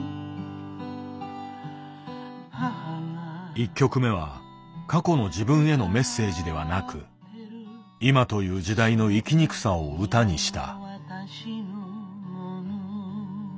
１曲目は過去の自分へのメッセージではなく今という時代の生きにくさを歌にした。